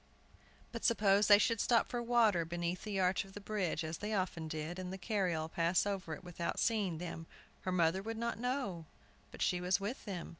But suppose they should stop for water beneath the arch of the bridge, as they often did, and the carryall pass over it without seeing them, her mother would not know but she was with them?